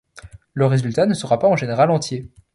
Le résultat ne sera pas, en général, entier.